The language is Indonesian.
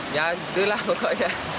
ya itulah pokoknya